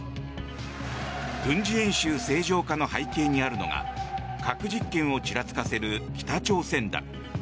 軍事演習正常化の背景にあるのが核実験をちらつかせる北朝鮮だ。